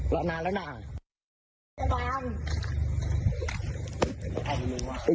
เป็นกี่นี่